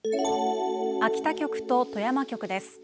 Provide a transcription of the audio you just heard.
秋田局と富山局です。